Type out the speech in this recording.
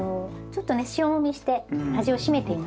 ちょっとね塩もみして味を締めていますので。